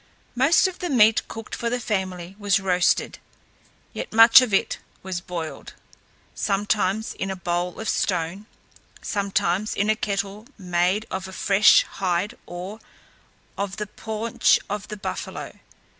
Most of the meat cooked for the family was roasted, yet much of it was boiled, sometimes in a bowl of stone, sometimes in a kettle made of a fresh hide or of the paunch of the buffalo.